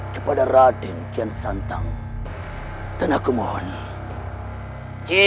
jangan ke sini